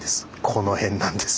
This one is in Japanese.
この辺なんです。